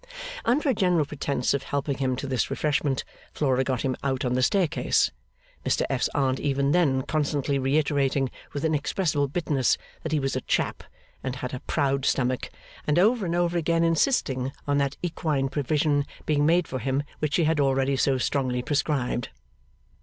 Under a general pretence of helping him to this refreshment, Flora got him out on the staircase; Mr F.'s Aunt even then constantly reiterating, with inexpressible bitterness, that he was 'a chap,' and had a 'proud stomach,' and over and over again insisting on that equine provision being made for him which she had already so strongly prescribed.